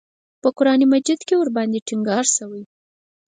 په قران مجید کې ورباندې ټینګار شوی.